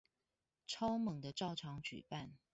超猛的照常舉辦